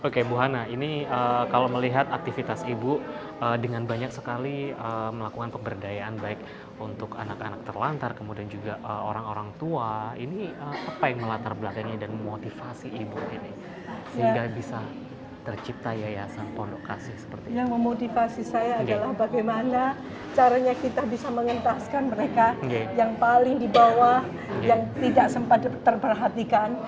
caranya kita bisa mengentaskan mereka yang paling di bawah yang tidak sempat terperhatikan